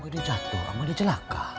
kok dia jatoh apa dia celaka